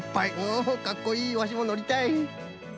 おかっこいいワシものりたい。